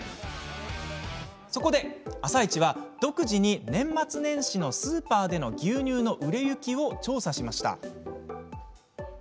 そこで「あさイチ」は独自に年末年始のスーパーでの牛乳の売れ行きを調査しました。